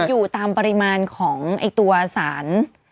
อยู่ตามปริมาณของตัวสาร